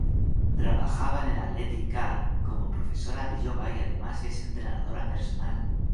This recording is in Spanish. Trabajaba en Athletic Care como profesora de yoga y además es entrenadora personal.